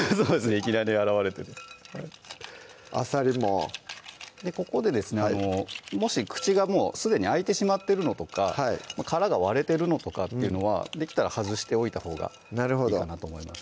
いきなり洗われてねあさりもここでですねあのもし口がもうすでに開いてしまってるのとか殻が割れてるのとかっていうのはできたら外しておいたほうがいいかなと思います